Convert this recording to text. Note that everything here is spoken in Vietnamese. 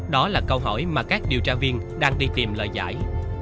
đó là câu hỏi mà các điều tra viên đang đi tìm lời giải